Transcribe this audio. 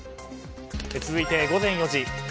続いて、午前４時。